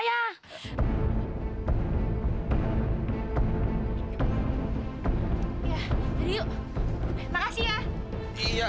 ya yuk makasih ya